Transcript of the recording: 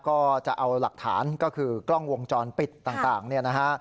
ก็จะเอาหลักฐานก็คือกล้องวงจรปิดต่างเนี่ยนะฮะ